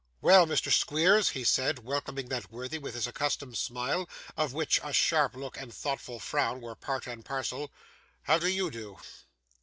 'Well, Mr. Squeers,' he said, welcoming that worthy with his accustomed smile, of which a sharp look and a thoughtful frown were part and parcel: 'how do YOU do?